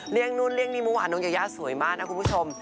เรียกนู้นเรียกนิมูอาน้องยายาสวยมากนะคุณผู้ชม